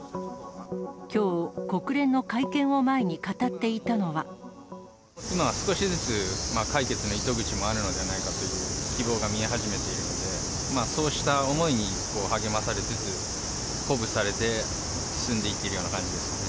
きょう、国連の会見を前に語って今、少しずつ解決の糸口もあるのではないかという希望が見え始めているので、そうした思いに励まされつつ、鼓舞されて進んでいってるような感じですね。